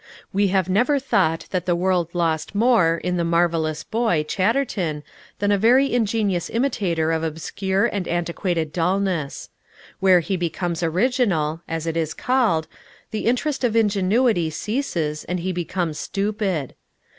We have never thought that the world lost more in the "marvellous boy," Chatterton, than a very ingenious imitator of obscure and antiquated dulness. Where he becomes original (as it is called), the interest of ingenuity ceases and he becomes stupid.